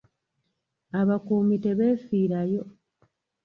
Abakuumi tebeefiirayo.